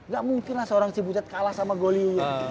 gak mungkin lah seorang cibutet kalah sama goli uyeng